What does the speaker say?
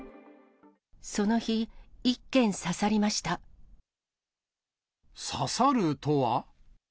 その日、刺さるとは？